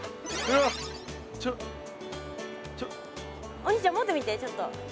お兄ちゃん持ってみてちょっと。